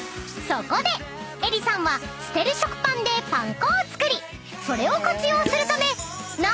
［そこで恵理さんは捨てる食パンでパン粉を作りそれを活用するため何と串カツ店をオープン！］